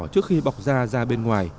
trước khi bọc da ra bên ngoài